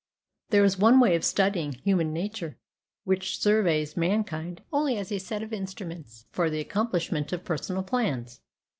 There is one way of studying human nature, which surveys mankind only as a set of instruments for the accomplishment of personal plans.